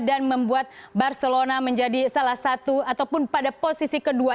dan membuat barcelona menjadi salah satu ataupun pada posisi kedua